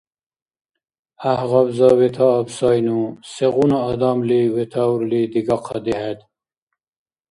ГӀяхӀгъабза ветааб сайну, сегъуна адамли ветаурли дигахъади хӀед?